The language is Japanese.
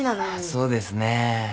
そうですね。